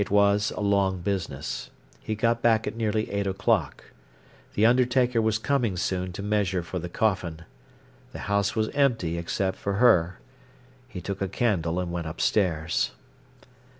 It was a long business. He got back at nearly eight o'clock. The undertaker was coming soon to measure for the coffin. The house was empty except for her. He took a candle and went upstairs.